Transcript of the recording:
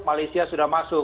malaysia sudah masuk